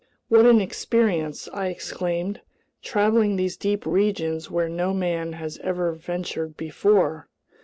"What an experience!" I exclaimed. "Traveling these deep regions where no man has ever ventured before!